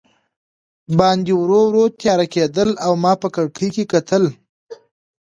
باندې ورو ورو تیاره کېدل او ما په کړکۍ کې کتل.